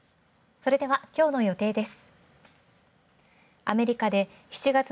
それでは今日の予定です。